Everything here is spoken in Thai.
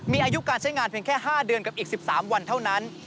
มีอายุการใช้งานเพียงแค่๕เดือนกับอีก๑๓วันเท่านั้น